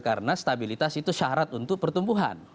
karena stabilitas itu syarat untuk pertumbuhan